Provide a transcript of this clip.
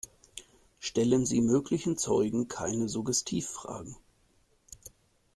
Stellen Sie möglichen Zeugen keine Suggestivfragen.